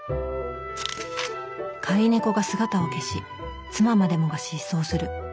飼い猫が姿を消し妻までもが失踪する。